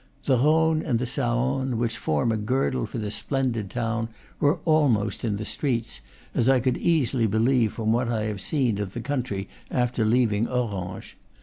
The Rhone and the Saone, which form a girdle for the splendid town, were almost in the streets, as I could easily be lieve from what I had seen of the country after leav ing Orange.